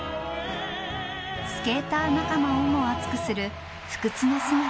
スケーター仲間をも熱くする不屈の姿。